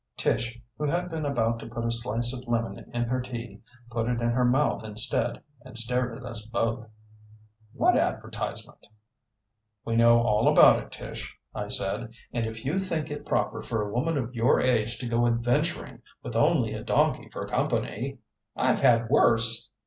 Tish, who had been about to put a slice of lemon in her tea, put it in her mouth instead and stared at us both. "What advertisement?" "We know all about it, Tish," I said. "And if you think it proper for a woman of your age to go adventuring with only a donkey for company " "I've had worse!"